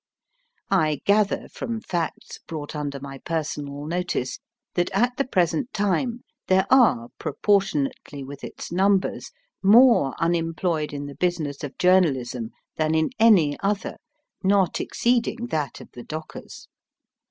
I gather from facts brought under my personal notice that at the present time there are, proportionately with its numbers, more unemployed in the business of journalism than in any other, not exceeding that of the dockers.